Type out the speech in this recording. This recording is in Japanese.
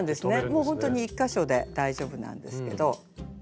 ほんとに１か所で大丈夫なんですけど。